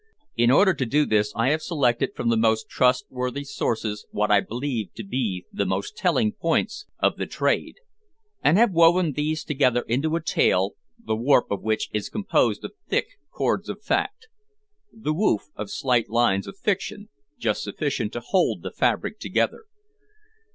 In order to do this I have selected from the most trustworthy sources what I believe to be the most telling points of "the trade," and have woven these together into a tale, the warp of which is composed of thick cords of fact; the woof of slight lines of fiction, just sufficient to hold the fabric together.